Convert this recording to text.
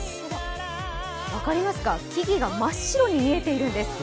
分かりますか、木々が真っ白に見えているんです。